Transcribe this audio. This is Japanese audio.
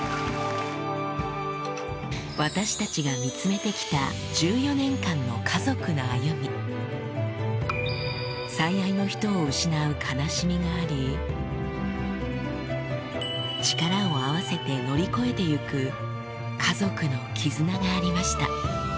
私たちが見つめて来た１４年間の家族の歩み最愛の人を失う悲しみがあり力を合わせて乗り越えて行く家族の絆がありました